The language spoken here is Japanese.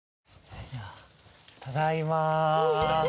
ただいま。